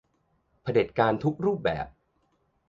เผด็จการทุกรูปแบบ